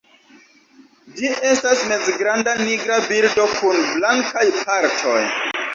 Ĝi estas mezgranda nigra birdo kun blankaj partoj.